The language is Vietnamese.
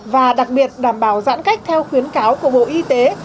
và đặc biệt đảm bảo giãn cách theo khuyến cáo của bộ y tế